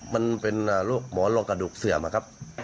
มันเป็นโรคหมอนรองกระดูกเสื่อมนะครับ